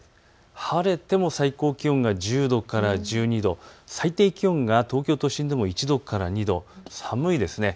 晴れても最高気温が１０度から１２度、最低気温が東京都心でも１度から２度、寒いです。